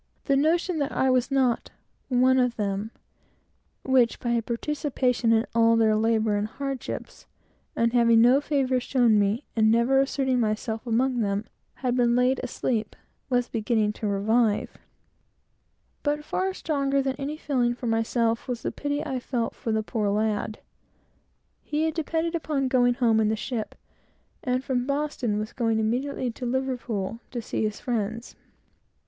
The notion that I was not "one of them," which, by a participation in all their labor and hardships, and having no favor shown me, had been laid asleep, was beginning to revive. But far stronger than any feeling for myself, was the pity I felt for the poor lad. He had depended upon going home in the ship; and from Boston, was going immediately to Liverpool, to see his friends.